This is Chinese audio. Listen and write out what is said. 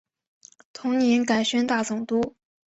同年改宣大总督。